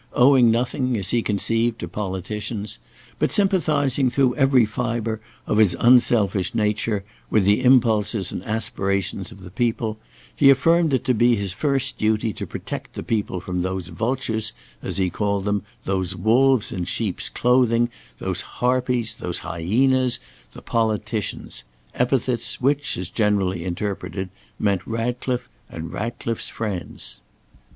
Owing nothing, as he conceived, to politicians, but sympathising through every fibre of his unselfish nature with the impulses and aspirations of the people, he affirmed it to be his first duty to protect the people from those vultures, as he called them, those wolves in sheep's clothing, those harpies, those hyenas, the politicians; epithets which, as generally interpreted, meant Ratcliffe and Ratcliffe's friends.